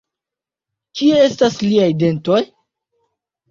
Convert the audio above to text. Kie estas liaj dentoj?